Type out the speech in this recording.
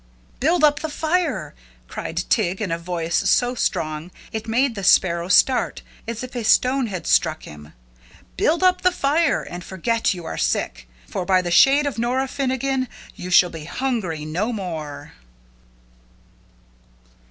"Build up the fire," cried Tig, in a voice so strong it made the Sparrow start as if a stone had struck him. "Build up the fire, and forget you are sick. For, by the shade of Nora Finnegan, you shall be hungry no more!"